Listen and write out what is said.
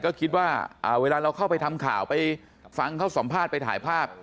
ก็คิดว่าเวลาเราเข้าไปทำข่าวไปฟังเขาสัมภาษณ์ไปถ่ายภาพ